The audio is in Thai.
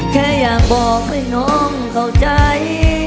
แค่อยากบอกให้น้องเข้าใจ